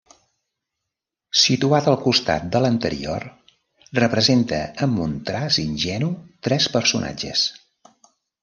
Situat al costat de l'anterior, representa amb un traç ingenu tres personatges.